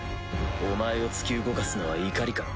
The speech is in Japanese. お前を突き動かすのは怒りか？